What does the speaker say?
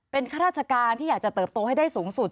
เป็นข้าราชการที่อยากจะเติบโตให้ได้สูงสุด